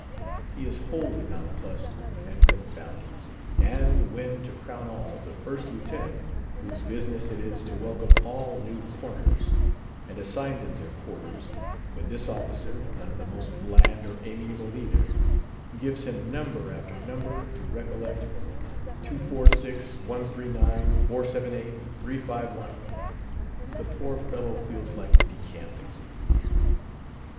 _" He is wholly nonplussed, and confounded. And when, to crown all, the First Lieutenant, whose business it is to welcome all new corners, and assign them their quarters: when this officer—none of the most bland or amiable either—gives him number after number to recollect—246—139—478—351—the poor fellow feels like decamping.